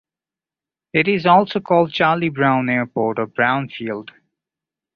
It is also called Charlie Brown Airport or Brown Field.